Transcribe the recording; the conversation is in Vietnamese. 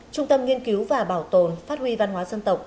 trung tâm nghiên cứu và bảo tồn phát huy văn hóa dân tộc